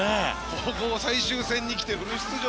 ここ、最終戦にきてフル出場。